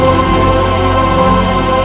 untuk mencium tangannya